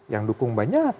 yang dukung banyak